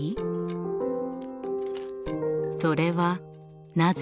それはなぜ？